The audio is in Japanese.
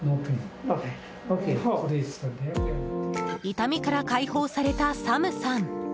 痛みから解放されたサムさん。